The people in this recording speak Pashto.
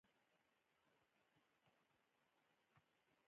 ژبه د خپلو خلکو سره تړاو لري